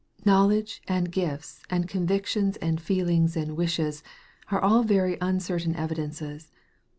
Knowledge, and gifts, and convictions, and feelings, and wishes, are all very un certain evidences.